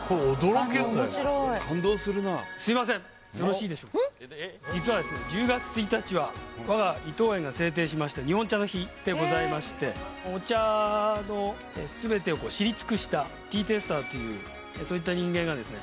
面白い感動するな実はですね１０月１日は我が伊藤園が制定しました日本茶の日でございましてお茶のすべてを知り尽くしたティーテイスターというそういった人間がですね